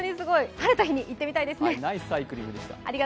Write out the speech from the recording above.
晴れた日に行ってみたいですね。